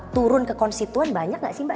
turun ke konstituen banyak nggak sih mbak